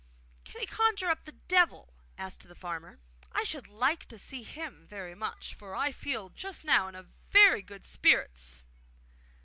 'Can he conjure up the Devil?' asked the farmer. 'I should like to see him very much, for I feel just now in very good spirits!